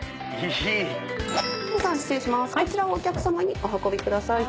こちらをお客さまにお運びください。